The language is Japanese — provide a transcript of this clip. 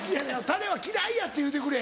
タレは嫌いやって言うてくれ。